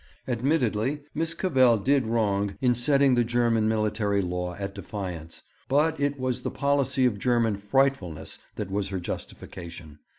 Admittedly Miss Cavell did wrong in setting the German military law at defiance, but it was the policy of German 'frightfulness' that was her justification.